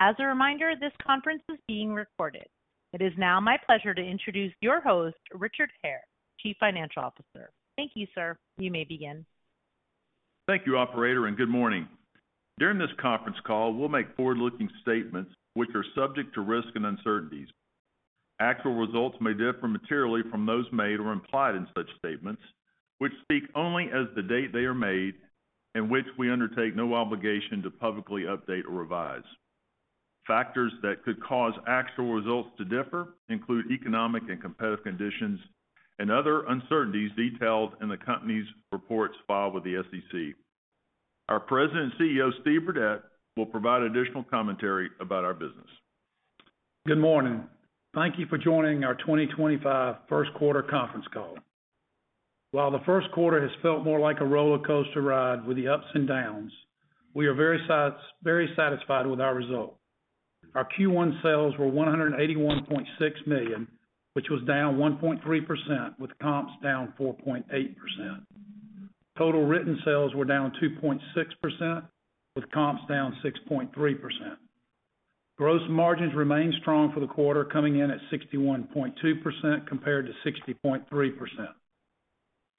As a reminder, this conference is being recorded. It is now my pleasure to introduce your host, Richard Hare, Chief Financial Officer. Thank you, sir. You may begin. Thank you, Operator, and good morning. During this conference call, we'll make forward-looking statements which are subject to risk and uncertainties. Actual results may differ materially from those made or implied in such statements, which speak only as of the date they are made, and which we undertake no obligation to publicly update or revise. Factors that could cause actual results to differ include economic and competitive conditions and other uncertainties detailed in the company's reports filed with the SEC. Our President and CEO, Steve Burdette, will provide additional commentary about our business. Good morning. Thank you for joining our 2025 first quarter conference call. While the first quarter has felt more like a roller coaster ride with the ups and downs, we are very satisfied with our result. Our Q1 sales were $181.6 million, which was down 1.3%, with comps down 4.8%. Total written sales were down 2.6%, with comps down 6.3%. Gross margins remained strong for the quarter, coming in at 61.2% compared to 60.3%.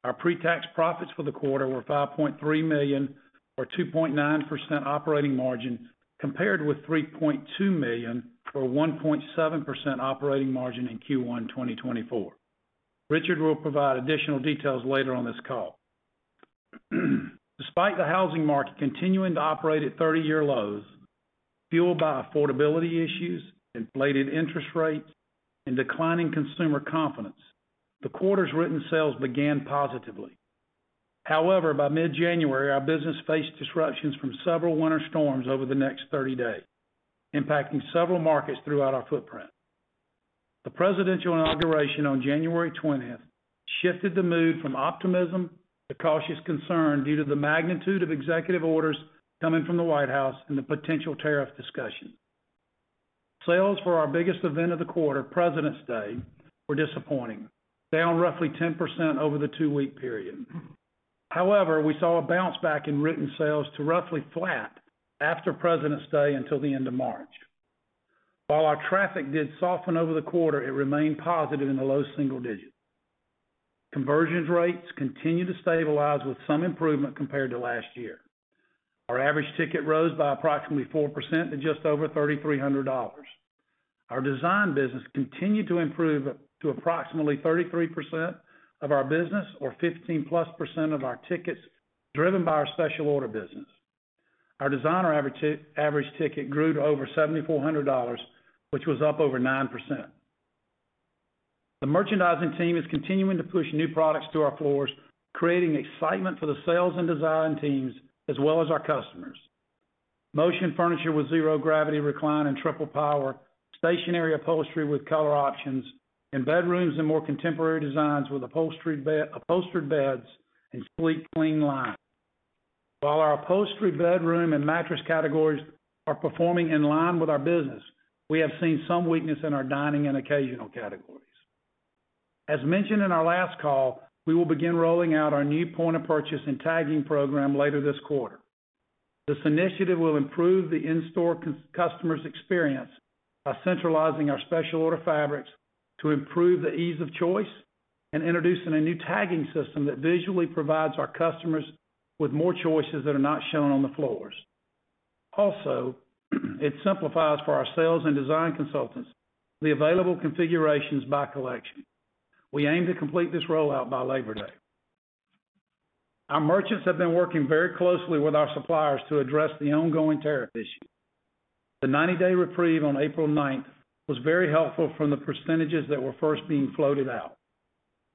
Our pre-tax profits for the quarter were $5.3 million, or 2.9% operating margin, compared with $3.2 million, or 1.7% operating margin in Q1 2024. Richard will provide additional details later on this call. Despite the housing market continuing to operate at 30-year lows, fueled by affordability issues, inflated interest rates, and declining consumer confidence, the quarter's written sales began positively. However, by mid-January, our business faced disruptions from several winter storms over the next 30 days, impacting several markets throughout our footprint. The presidential inauguration on January 20 shifted the mood from optimism to cautious concern due to the magnitude of executive orders coming from the White House and the potential tariff discussions. Sales for our biggest event of the quarter, President's Day, were disappointing, down roughly 10% over the two-week period. However, we saw a bounce back in written sales to roughly flat after President's Day until the end of March. While our traffic did soften over the quarter, it remained positive in the low single digits. Conversion rates continued to stabilize with some improvement compared to last year. Our average ticket rose by approximately 4% to just over $3,300. Our design business continued to improve to approximately 33% of our business, or 15+ % of our tickets, driven by our special order business. Our designer average ticket grew to over $7,400, which was up over 9%. The merchandising team is continuing to push new products to our floors, creating excitement for the sales and design teams as well as our customers. Motion furniture with zero gravity recline and triple power, stationary upholstery with color options, and bedrooms in more contemporary designs with upholstered beds and sleek, clean lines. While our upholstery, bedroom, and mattress categories are performing in line with our business, we have seen some weakness in our dining and occasional categories. As mentioned in our last call, we will begin rolling out our new point of purchase and tagging program later this quarter. This initiative will improve the in-store customer's experience by centralizing our special order fabrics to improve the ease of choice and introducing a new tagging system that visually provides our customers with more choices that are not shown on the floors. Also, it simplifies for our sales and design consultants the available configurations by collection. We aim to complete this rollout by Labor Day. Our merchants have been working very closely with our suppliers to address the ongoing tariff issues. The 90-day reprieve on April 9 was very helpful from the percentages that were first being floated out.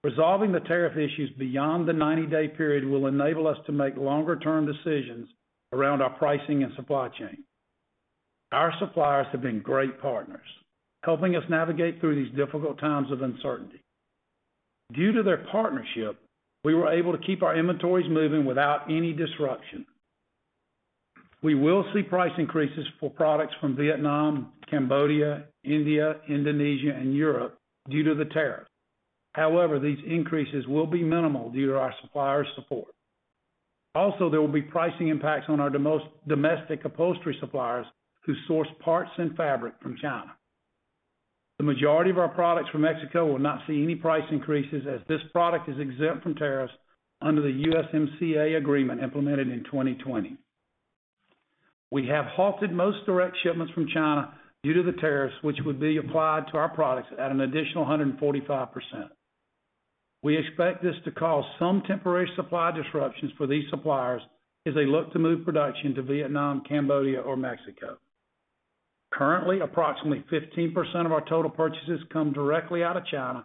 Resolving the tariff issues beyond the 90-day period will enable us to make longer-term decisions around our pricing and supply chain. Our suppliers have been great partners, helping us navigate through these difficult times of uncertainty. Due to their partnership, we were able to keep our inventories moving without any disruption. We will see price increases for products from Vietnam, Cambodia, India, Indonesia, and Europe due to the tariff. However, these increases will be minimal due to our suppliers' support. Also, there will be pricing impacts on our domestic upholstery suppliers who source parts and fabric from China. The majority of our products from Mexico will not see any price increases as this product is exempt from tariffs under the USMCA agreement implemented in 2020. We have halted most direct shipments from China due to the tariffs, which would be applied to our products at an additional 145%. We expect this to cause some temporary supply disruptions for these suppliers as they look to move production to Vietnam, Cambodia, or Mexico. Currently, approximately 15% of our total purchases come directly out of China,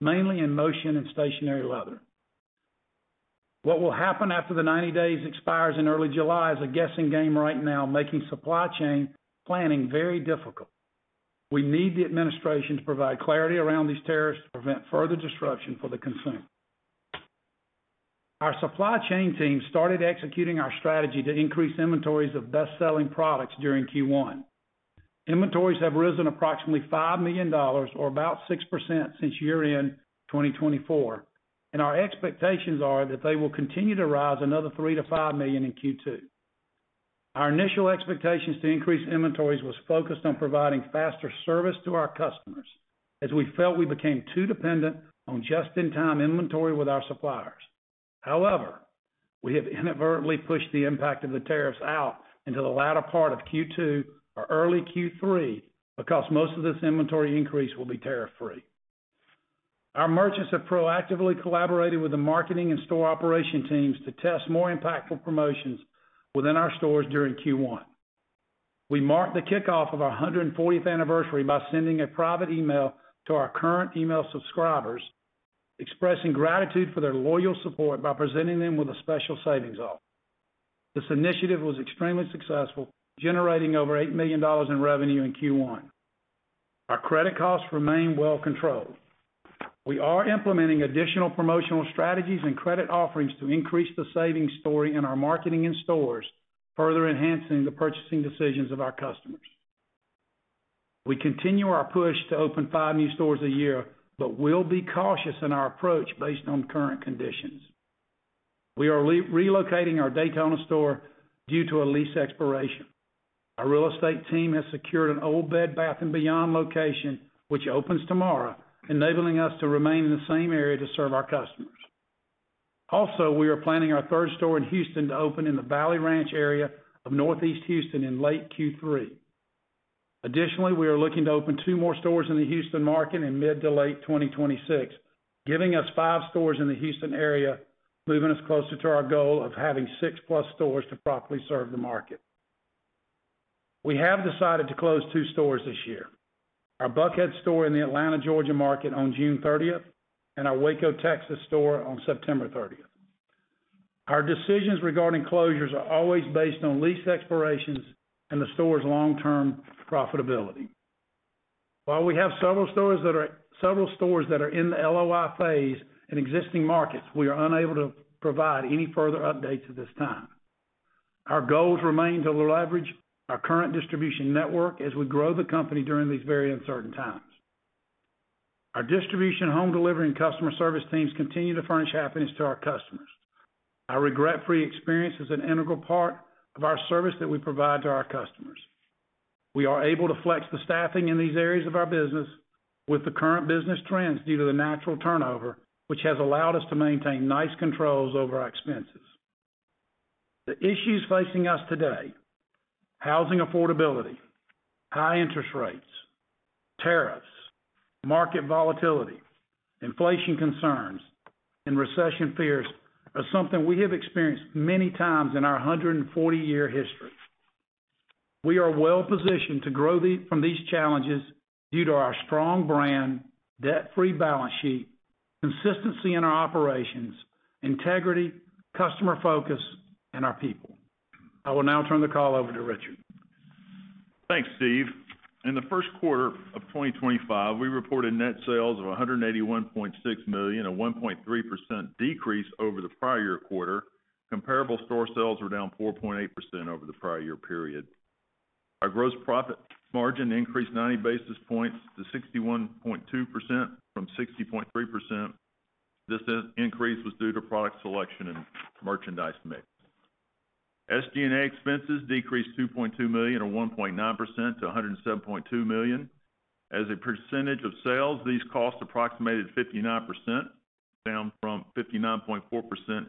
mainly in motion and stationary leather. What will happen after the 90 days expires in early July is a guessing game right now, making supply chain planning very difficult. We need the administration to provide clarity around these tariffs to prevent further disruption for the consumer. Our supply chain team started executing our strategy to increase inventories of best-selling products during Q1. Inventories have risen approximately $5 million, or about 6%, since year-end 2024, and our expectations are that they will continue to rise another $3 million-$5 million in Q2. Our initial expectations to increase inventories were focused on providing faster service to our customers as we felt we became too dependent on just-in-time inventory with our suppliers. However, we have inadvertently pushed the impact of the tariffs out into the latter part of Q2 or early Q3 because most of this inventory increase will be tariff-free. Our merchants have proactively collaborated with the marketing and store operation teams to test more impactful promotions within our stores during Q1. We marked the kickoff of our 140th anniversary by sending a private email to our current email subscribers, expressing gratitude for their loyal support by presenting them with a special savings offer. This initiative was extremely successful, generating over $8 million in revenue in Q1. Our credit costs remain well controlled. We are implementing additional promotional strategies and credit offerings to increase the savings story in our marketing and stores, further enhancing the purchasing decisions of our customers. We continue our push to open five new stores a year, but we'll be cautious in our approach based on current conditions. We are relocating our Daytona store due to a lease expiration. Our real estate team has secured an old Bed Bath & Beyond location, which opens tomorrow, enabling us to remain in the same area to serve our customers. Also, we are planning our third store in Houston to open in the Valley Ranch area of Northeast Houston in late Q3. Additionally, we are looking to open two more stores in the Houston market in mid to late 2026, giving us five stores in the Houston area, moving us closer to our goal of having six-plus stores to properly serve the market. We have decided to close two stores this year: our Buckhead store in the Atlanta, Georgia market on June 30 and our Waco, Texas store on September 30. Our decisions regarding closures are always based on lease expirations and the store's long-term profitability. While we have several stores that are in the LOI phase in existing markets, we are unable to provide any further updates at this time. Our goals remain to leverage our current distribution network as we grow the company during these very uncertain times. Our distribution, home delivery, and customer service teams continue to furnish happiness to our customers. Our regret-free experience is an integral part of our service that we provide to our customers. We are able to flex the staffing in these areas of our business with the current business trends due to the natural turnover, which has allowed us to maintain nice controls over our expenses. The issues facing us today—housing affordability, high interest rates, tariffs, market volatility, inflation concerns, and recession fears—are something we have experienced many times in our 140-year history. We are well positioned to grow from these challenges due to our strong brand, debt-free balance sheet, consistency in our operations, integrity, customer focus, and our people. I will now turn the call over to Richard. Thanks, Steve. In the first quarter of 2025, we reported net sales of $181.6 million, a 1.3% decrease over the prior year quarter. Comparable store sales were down 4.8% over the prior year period. Our gross profit margin increased 9 basis points to 61.2% from 60.3%. This increase was due to product selection and merchandise mix. SG&A expenses decreased $2.2 million, a 1.9%, to $107.2 million. As a percentage of sales, these costs approximated 59%, down from 59.4%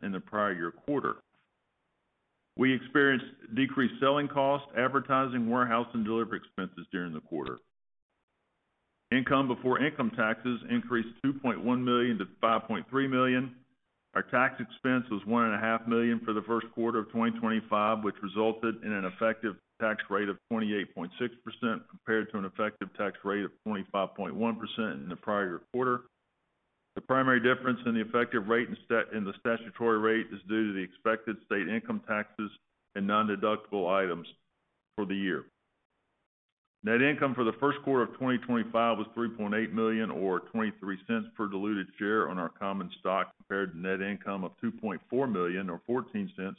in the prior year quarter. We experienced decreased selling costs, advertising, warehousing, and delivery expenses during the quarter. Income before income taxes increased $2.1 million to $5.3 million. Our tax expense was $1.5 million for the first quarter of 2025, which resulted in an effective tax rate of 28.6% compared to an effective tax rate of 25.1% in the prior year quarter. The primary difference in the effective rate and the statutory rate is due to the expected state income taxes and non-deductible items for the year. Net income for the first quarter of 2025 was $3.8 million, or $0.23 per diluted share on our common stock, compared to net income of $2.4 million, or $0.14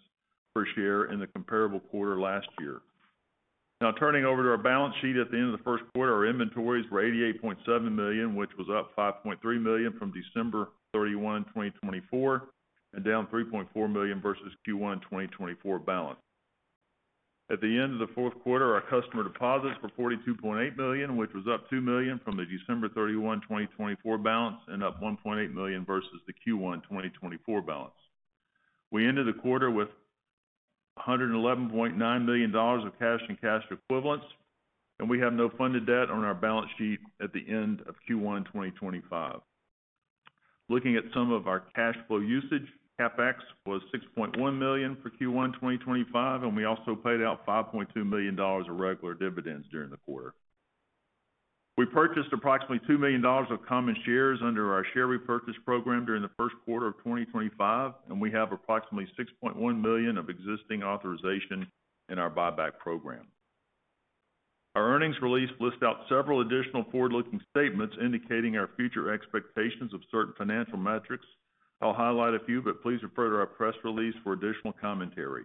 per share in the comparable quarter last year. Now, turning over to our balance sheet at the end of the first quarter, our inventories were $88.7 million, which was up $5.3 million from December 31, 2024, and down $3.4 million versus the Q1 2024 balance. At the end of the fourth quarter, our customer deposits were $42.8 million, which was up $2 million from the December 31, 2024 balance, and up $1.8 million versus the Q1 2024 balance. We ended the quarter with $111.9 million of cash and cash equivalents, and we have no funded debt on our balance sheet at the end of Q1 2025. Looking at some of our cash flow usage, CapEx was $6.1 million for Q1 2025, and we also paid out $5.2 million of regular dividends during the quarter. We purchased approximately $2 million of common shares under our share repurchase program during the first quarter of 2025, and we have approximately $6.1 million of existing authorization in our buyback program. Our earnings release lists out several additional forward-looking statements indicating our future expectations of certain financial metrics. I'll highlight a few, but please refer to our press release for additional commentary.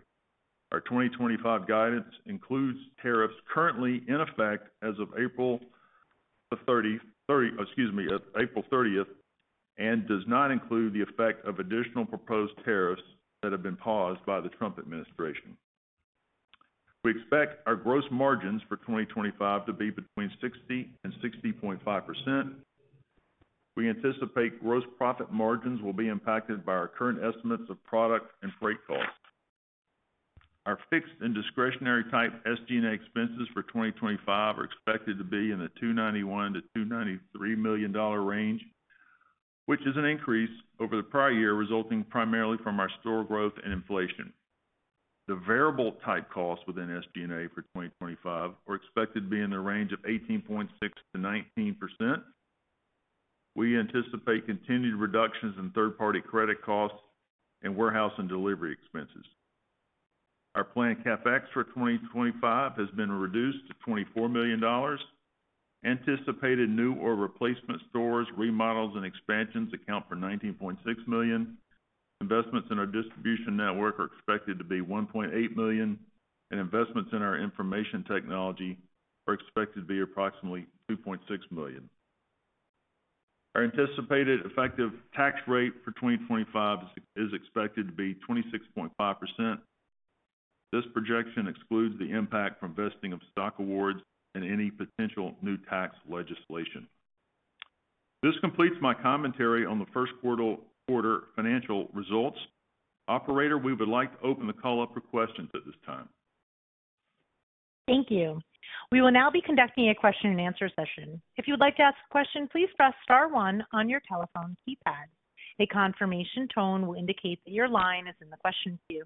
Our 2025 guidance includes tariffs currently in effect as of April 30 and does not include the effect of additional proposed tariffs that have been paused by the Trump administration. We expect our gross margins for 2025 to be between 60%-60.5%. We anticipate gross profit margins will be impacted by our current estimates of product and freight costs. Our fixed and discretionary-type SG&A expenses for 2025 are expected to be in the $291 million -$293 million range, which is an increase over the prior year resulting primarily from our store growth and inflation. The variable-type costs within SG&A for 2025 are expected to be in the range of 18.6%-19%. We anticipate continued reductions in third-party credit costs and warehouse and delivery expenses. Our planned CapEx for 2025 has been reduced to $24 million. Anticipated new or replacement stores, remodels, and expansions account for $19.6 million. Investments in our distribution network are expected to be $1.8 million, and investments in our information technology are expected to be approximately $2.6 million. Our anticipated effective tax rate for 2025 is expected to be 26.5%. This projection excludes the impact from vesting of stock awards and any potential new tax legislation. This completes my commentary on the first quarter financial results. Operator, we would like to open the call up for questions at this time. Thank you. We will now be conducting a question-and-answer session. If you would like to ask a question, please press star one on your telephone keypad. A confirmation tone will indicate that your line is in the question queue.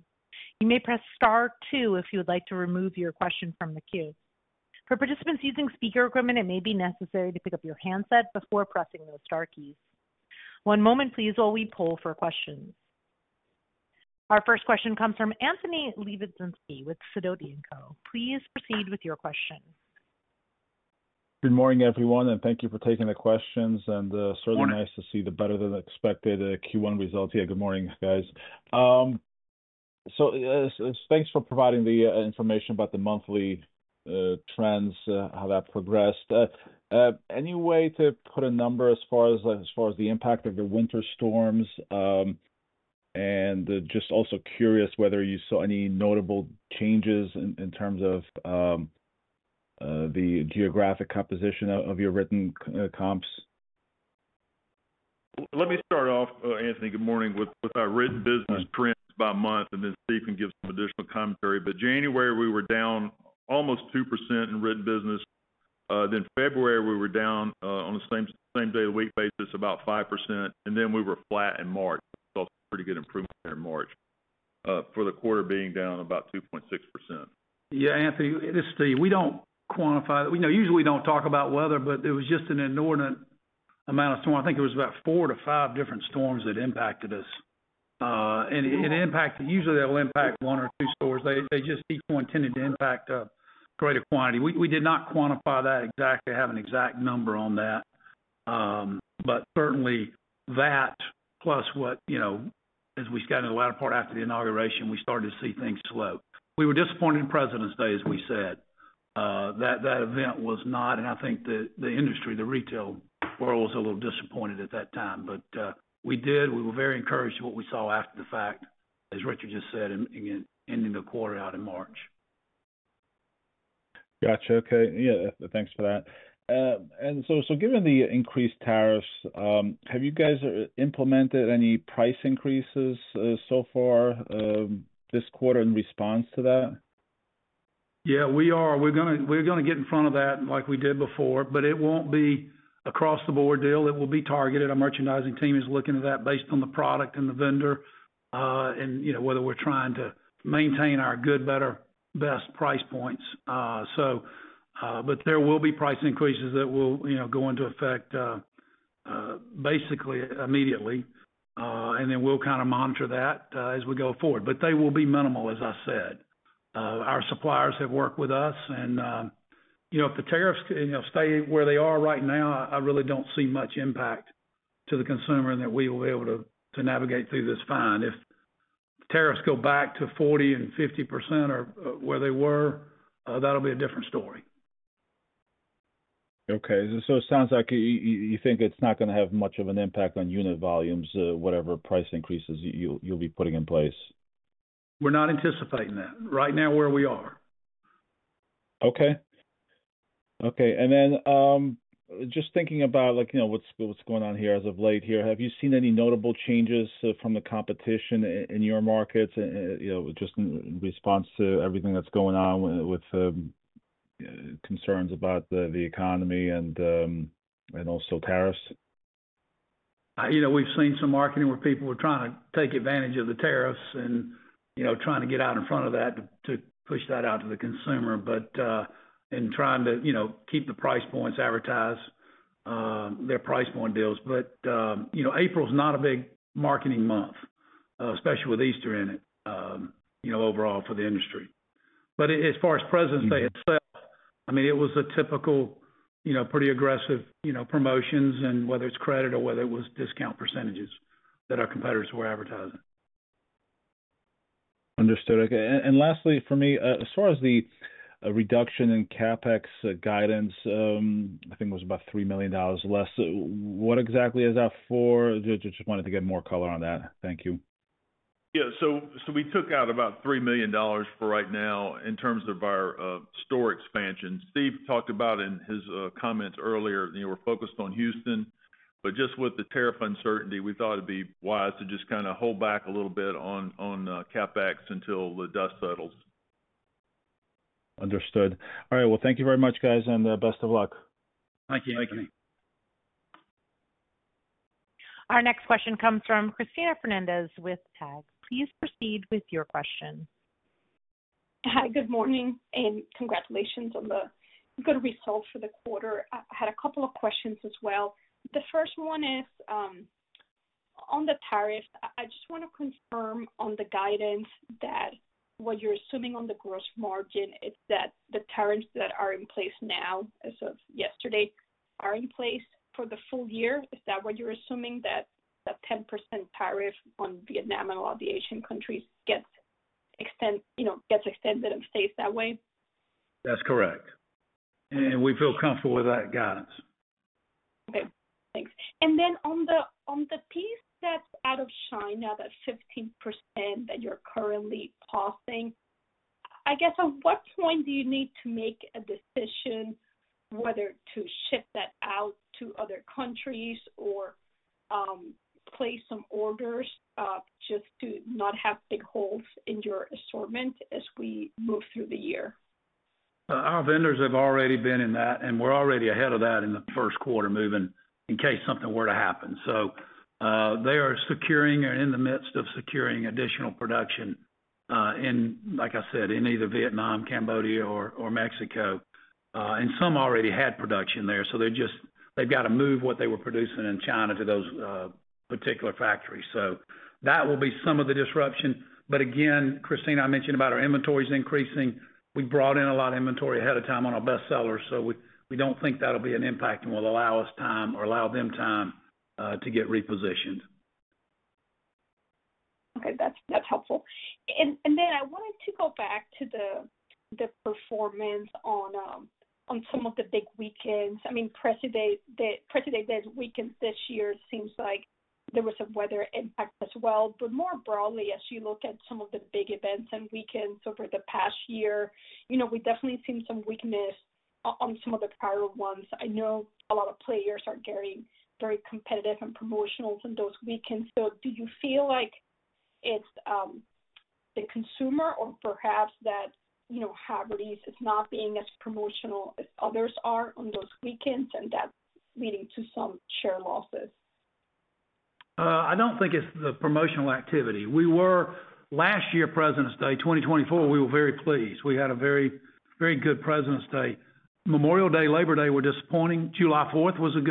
You may press star two if you would like to remove your question from the queue. For participants using speaker equipment, it may be necessary to pick up your handset before pressing those star keys. One moment, please, while we poll for questions. Our first question comes from Anthony Lebiedzinski with Sidoti & Co. Please proceed with your question. Good morning, everyone, and thank you for taking the questions. Certainly nice to see the better than expected Q1 results here. Good morning, guys. Thanks for providing the information about the monthly trends, how that progressed. Any way to put a number as far as the impact of the winter storms? Just also curious whether you saw any notable changes in terms of the geographic composition of your written comps? Let me start off, Anthony. Good morning. With our written business trends by month, and then Steven can give some additional commentary. January, we were down almost 2% in written business. February, we were down on the same day-of-the-week basis about 5%. We were flat in March. We saw some pretty good improvement there in March for the quarter being down about 2.6%. Yeah, Anthony, it is Steve. We do not quantify the—we usually do not talk about weather, but there was just an inordinate amount of storm. I think there was about four to five different storms that impacted us. Usually, that will impact one or two stores. Each one tended to impact a greater quantity. We did not quantify that exactly, have an exact number on that. Certainly, that plus what—as we got in the latter part after the inauguration, we started to see things slow. We were disappointed in President's Day, as we said. That event was not—and I think the industry, the retail world, was a little disappointed at that time. We were very encouraged to what we saw after the fact, as Richard just said, ending the quarter out in March. Gotcha. Okay. Yeah, thanks for that. Given the increased tariffs, have you guys implemented any price increases so far this quarter in response to that? Yeah, we are. We're going to get in front of that like we did before, but it won't be a cross-the-board deal. It will be targeted. Our merchandising team is looking at that based on the product and the vendor and whether we're trying to maintain our good, better, best price points. There will be price increases that will go into effect basically immediately. We'll kind of monitor that as we go forward. They will be minimal, as I said. Our suppliers have worked with us. If the tariffs stay where they are right now, I really don't see much impact to the consumer in that we will be able to navigate through this fine. If tariffs go back to 40-50% or where they were, that'll be a different story. Okay. It sounds like you think it's not going to have much of an impact on unit volumes, whatever price increases you'll be putting in place. We're not anticipating that. Right now, where we are. Okay. Okay. Just thinking about what's going on here as of late here, have you seen any notable changes from the competition in your markets just in response to everything that's going on with concerns about the economy and also tariffs? We've seen some marketing where people were trying to take advantage of the tariffs and trying to get out in front of that to push that out to the consumer and trying to keep the price points advertised, their price point deals. April is not a big marketing month, especially with Easter in it overall for the industry. As far as President's Day itself, I mean, it was a typical pretty aggressive promotions, and whether it's credit or whether it was discount percentages that our competitors were advertising. Understood. Okay. Lastly, for me, as far as the reduction in CapEx guidance, I think it was about $3 million less. What exactly is that for? Just wanted to get more color on that. Thank you. Yeah. We took out about $3 million for right now in terms of our store expansion. Steve talked about in his comments earlier, we're focused on Houston. Just with the tariff uncertainty, we thought it'd be wise to just kind of hold back a little bit on CapEx until the dust settles. Understood. All right. Thank you very much, guys, and best of luck. Thank you. Thank you. Our next question comes from Cristina Fernandez with Telsey. Please proceed with your question. Hi, good morning, and congratulations on the good result for the quarter. I had a couple of questions as well. The first one is on the tariffs. I just want to confirm on the guidance that what you're assuming on the gross margin is that the tariffs that are in place now as of yesterday are in place for the full year. Is that what you're assuming, that that 10% tariff on Vietnam and all the Asian countries gets extended and stays that way? That's correct. We feel comfortable with that guidance. Okay. Thanks. On the piece that's out of China, that 15% that you're currently pausing, I guess at what point do you need to make a decision whether to ship that out to other countries or place some orders just to not have big holes in your assortment as we move through the year? Our vendors have already been in that, and we're already ahead of that in the first quarter moving in case something were to happen. They are securing or in the midst of securing additional production, like I said, in either Vietnam, Cambodia, or Mexico. Some already had production there, so they've got to move what they were producing in China to those particular factories. That will be some of the disruption. Again, Christina, I mentioned about our inventories increasing. We brought in a lot of inventory ahead of time on our best sellers, so we don't think that'll be an impact and will allow us time or allow them time to get repositioned. Okay. That's helpful. I wanted to go back to the performance on some of the big weekends. I mean, President's Day weekend this year seems like there was some weather impact as well. More broadly, as you look at some of the big events and weekends over the past year, we definitely seen some weakness on some of the prior ones. I know a lot of players are getting very competitive and promotional on those weekends. Do you feel like it's the consumer or perhaps that Haverty's is not being as promotional as others are on those weekends, and that's leading to some share losses? I don't think it's the promotional activity. Last year, President's Day 2024, we were very pleased. We had a very good President's Day. Memorial Day, Labor Day were disappointing. July 4th was a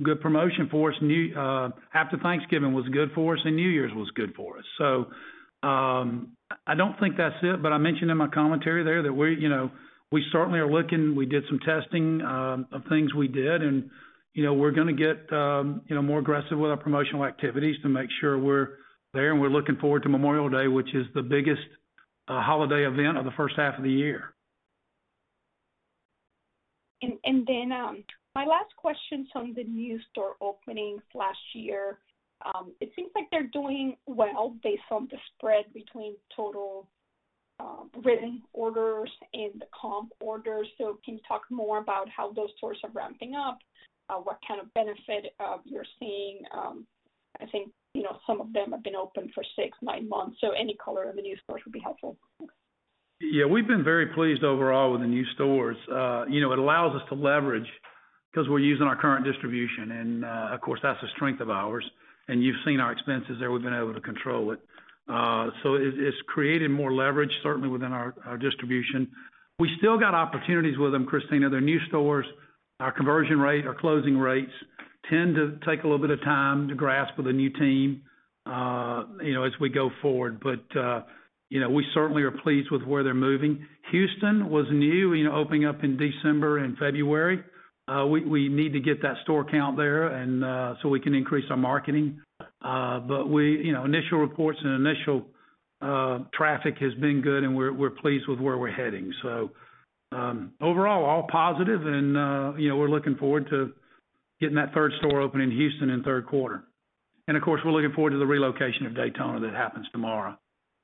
good promotion for us. After Thanksgiving was good for us, and New Year's was good for us. I don't think that's it. I mentioned in my commentary there that we certainly are looking. We did some testing of things we did, and we're going to get more aggressive with our promotional activities to make sure we're there. We're looking forward to Memorial Day, which is the biggest holiday event of the first half of the year. My last question is on the new store openings last year. It seems like they're doing well based on the spread between total written orders and the comp orders. Can you talk more about how those stores are ramping up, what kind of benefit you're seeing? I think some of them have been open for six, nine months. Any color of the new stores would be helpful. Yeah. We've been very pleased overall with the new stores. It allows us to leverage because we're using our current distribution. Of course, that's a strength of ours. You've seen our expenses there. We've been able to control it. It has created more leverage, certainly, within our distribution. We still got opportunities with them, Christina. Their new stores, our conversion rate, our closing rates tend to take a little bit of time to grasp with a new team as we go forward. We certainly are pleased with where they're moving. Houston was new, opening up in December and February. We need to get that store count there so we can increase our marketing. Initial reports and initial traffic has been good, and we're pleased with where we're heading. Overall, all positive, and we're looking forward to getting that third store open in Houston in third quarter. Of course, we're looking forward to the relocation of Daytona that happens tomorrow.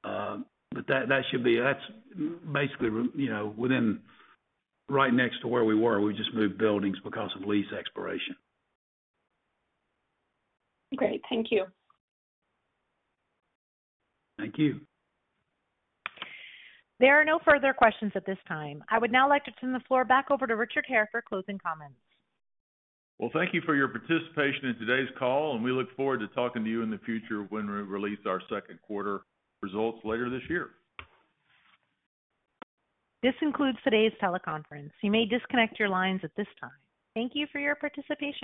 That should be basically right next to where we were. We just moved buildings because of lease expiration. Great. Thank you. Thank you. There are no further questions at this time. I would now like to turn the floor back over to Richard Hare for closing comments. Thank you for your participation in today's call, and we look forward to talking to you in the future when we release our second quarter results later this year. This concludes today's teleconference. You may disconnect your lines at this time. Thank you for your participation.